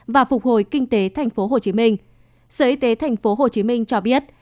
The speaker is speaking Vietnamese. và phục hồi kinh tế tp hcm sở y tế tp hcm cho biết